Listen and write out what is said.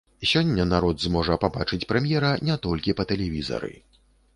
Сёння народ зможа пабачыць прэм'ера не толькі па тэлевізары.